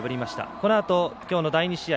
このあときょうの第２試合。